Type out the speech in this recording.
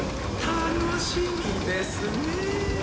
楽しみですねえ。